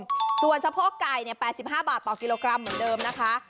ส่วนสะโพกไก่เนี่ย๘๕บาทต่อกิโลกรัมเหมือนเดิมนะคะ